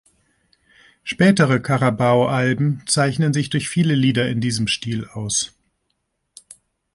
Spätere Carabao-Alben zeichnen sich durch viele Lieder in diesem Stil aus.